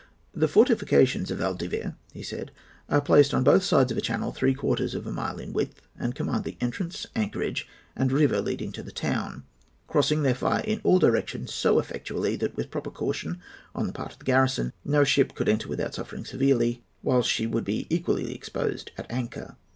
"The fortifications of Valdivia," he said, "are placed on both sides of a channel three quarters of a mile in width, and command the entrance, anchorage, and river leading to the town, crossing their fire in all directions so effectually that, with proper caution on the part of the garrison, no ship could enter without suffering severely, while she would be equally exposed at anchor.